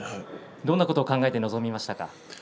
どんなことを考えて臨みましたか。